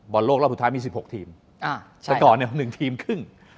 บอลโลกเราสุดท้ายมี๑๖ทีมแต่ก่อน๑ทีมครึ่ง